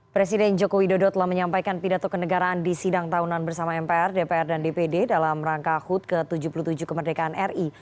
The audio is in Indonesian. presiden jokowi dodo telah menyampaikan pidato kenegaraan di sidang tahunan bersama mpr dpr dan dpd dalam rangka hut ke tujuh puluh tujuh kemerdekaan ri